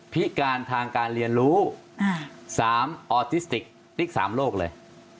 พิการทางการเรียนรู้๓ออทิสติกติ๊ก๓โลกเลย